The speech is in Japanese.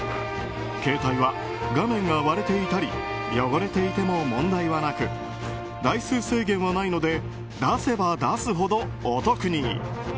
携帯は画面が割れていたり汚れていても問題はなく台数制限はないので出せば出すほど、お得に。